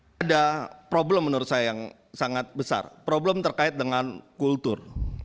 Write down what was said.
ada problem menurut saya yang sangat besar problem terkait dengan kultur